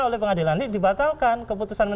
oleh pengadilan ini dibatalkan keputusan